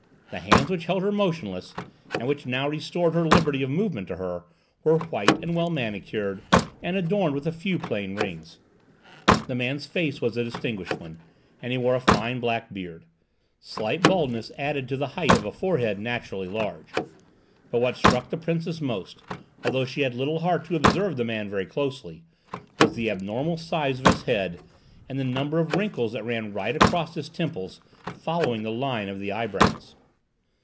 The hands which had held her motionless, and which now restored her liberty of movement to her, were white and well manicured and adorned with a few plain rings. The man's face was a distinguished one, and he wore a very fine black beard; slight baldness added to the height of a forehead naturally large. But what struck the Princess most, although she had little heart to observe the man very closely, was the abnormal size of his head and the number of wrinkles that ran right across his temples, following the line of the eyebrows.